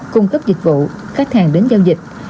cung cấp dịch vụ khách hàng đến giao dịch